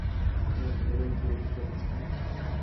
ایا په ټولنه کې سوله شته؟